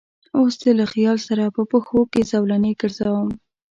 اوس دې له خیال سره په پښو کې زولنې ګرځوم